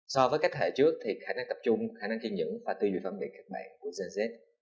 so với các hệ trước thì khả năng tập trung khả năng kiên nhẫn và tư duyệt phản biệt các bạn của zz